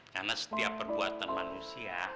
karena setiap perbuatan manusia